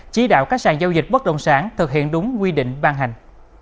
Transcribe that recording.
chỉ đạo các sàn giao dịch bất động sản thực hiện đúng quy định ban hành